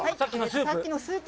さっきのスープ？